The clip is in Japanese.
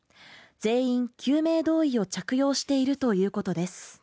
全員、救命胴衣を着用しているということです。